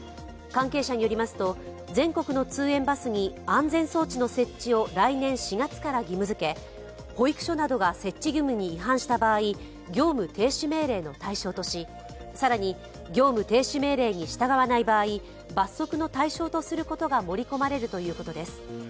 関係者によりますと、全国の通園バスに安全装置の設置を来年４月から義務づけ、保育所などが設置義務に違反した場合業務停止命令の対象とし、更に業務停止命令に従わない場合、罰則の対象とすることが盛り込まれるということです。